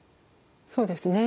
そうですね。